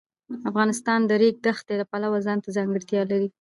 افغانستان د د ریګ دښتې د پلوه ځانته ځانګړتیا لري.